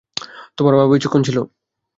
তোমার বাবা বিচক্ষণ ছিল।